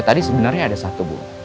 tadi sebenarnya ada satu bu